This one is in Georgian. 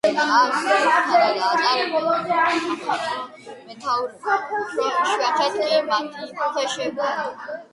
მას ძირითადად ატარებდნენ სამხედრო მეთაურები, უფრო იშვიათად კი მათი ქვეშევრდომები.